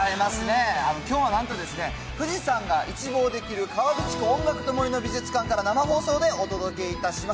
きょうはなんとですね、富士山が一望できる河口湖・音楽と森の美術館から生放送でお届けいたします。